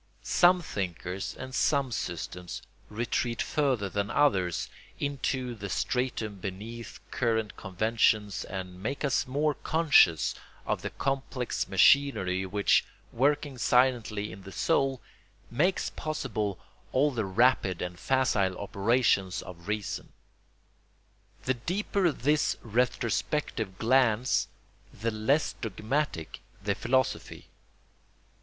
Some thinkers and some systems retreat further than others into the stratum beneath current conventions and make us more conscious of the complex machinery which, working silently in the soul, makes possible all the rapid and facile operations of reason. The deeper this retrospective glance the less dogmatic the philosophy.